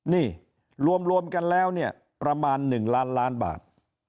นี่รวมกันแล้วเนี่ยประมาณ๑ล้านล้านบาท